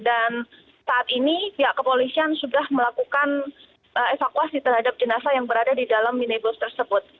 dan saat ini pihak kepolisian sudah melakukan evakuasi terhadap jenazah yang berada di dalam minibus tersebut